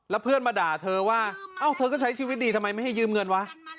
แล้วเพื่อนมาด่าเธอว่าเอ้าเธอก็ใช้ชีวิตดีทำไมไม่ให้ยืมเงินวะ